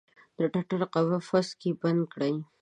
د ټټر قفس کې بند کړي